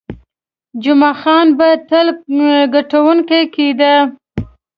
جمعه خان به تل ګټونکی کېده.